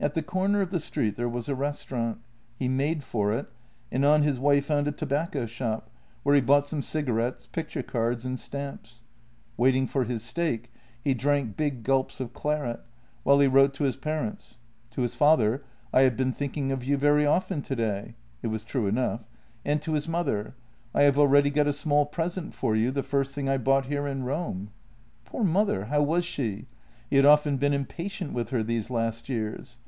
At the comer of the street there was a restaurant. He made for it, and on his way found a tobacco shop, where he bought some cigarettes, picture cards and stamps. Waiting for his steak, he drank big gulps of claret, while he wrote to his par ents; to his father: " I have been thinking of you very often today" — it was true enough — and to his mother: " I have already got a small present for you, the first thing I bought here in Rome." Poor mother — how was she? He had often been impatient with her these last years.